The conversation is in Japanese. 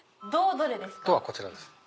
「ド」はこちらです。